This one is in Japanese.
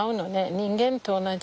人間と同じ。